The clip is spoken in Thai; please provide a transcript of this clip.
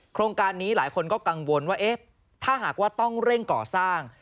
โครงการนี้หลายคนก็กังวลว่าเอ๊ะถ้าหากว่าต้องเร่งก่อสร้าง